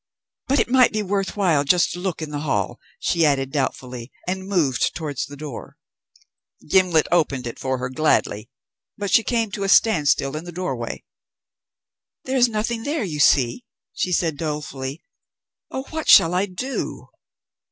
"But it might be worth while just to look in the hall," she added doubtfully, and moved towards the door. Gimblet opened it for her gladly; but she came to a standstill in the doorway. "There is nothing there, you see;" she said dolefully. "Oh, what shall I do!"